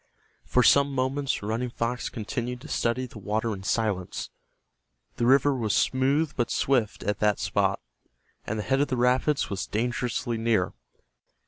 For some moments Running Fox continued to study the water in silence. The river was smooth but swift at that spot, and the head of the rapids was dangerously near.